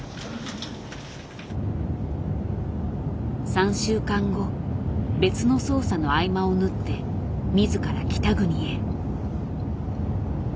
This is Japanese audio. ３週間後別の捜査の合間を縫って自ら北国へ。